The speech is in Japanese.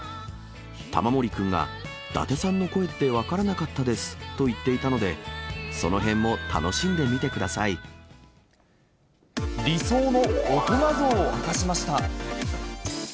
玉森君が伊達さんの声って分からなかったですと言っていたので、理想の大人像を明かしました。